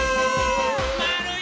まわるよ。